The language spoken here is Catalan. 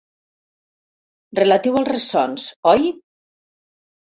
Relatiu als ressons, oi?